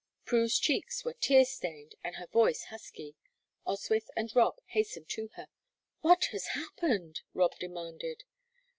Prue's cheeks were tear stained and her voice husky; Oswyth and Rob hastened to her. "What has happened?" Rob demanded.